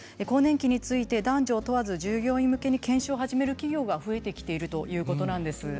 更年期について、男女を問わず従業員向けに研修を始める企業が増えてきてるということなんです。